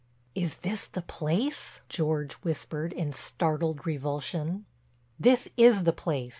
"Is this the place?" George whispered, in startled revulsion. "This is the place.